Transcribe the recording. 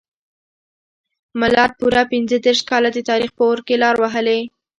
ملت پوره پنځه دیرش کاله د تاریخ په اور کې لار وهلې.